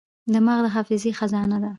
دماغ د حافظې خزانه ده.